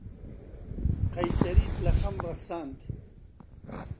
قەیسەریت لە خەم ڕەخساند.